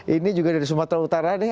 ini juga dari sumatera utara nih